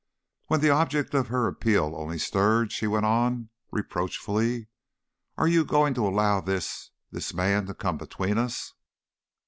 When the object of her appeal only stirred, she went on, reproachfully: "Are you going to allow this this man to come between us?"